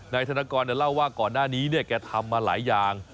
ธนกรเล่าว่าก่อนหน้านี้แกทำมาหลายอย่าง